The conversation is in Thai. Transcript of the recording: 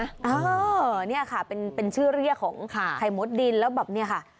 เออเนี่ยค่ะเป็นชื่อเรียกของไข่มดดินแล้วแบบเนี่ยค่ะ